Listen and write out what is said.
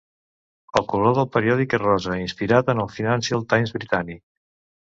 El color del periòdic és rosa, inspirat en el "Financial Times" britànic.